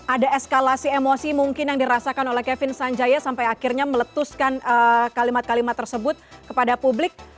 ada eskalasi emosi mungkin yang dirasakan oleh kevin sanjaya sampai akhirnya meletuskan kalimat kalimat tersebut kepada publik